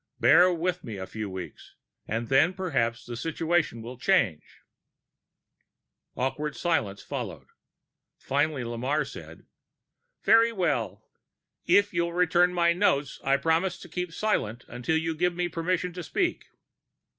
Bear with me a few weeks, and then perhaps the situation will change." Awkward silence followed. Finally Lamarre said, "Very well. If you'll return my notes, I promise to keep silent until you give me permission to speak."